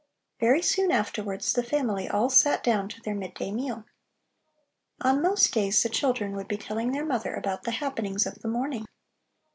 Very soon afterwards, the family all sat down to their mid day meal. On most days the children would be telling their mother about the happenings of the morning.